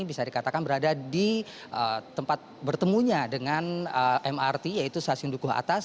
bisa dikatakan berada di tempat bertemunya dengan mrt yaitu stasiun dukuh atas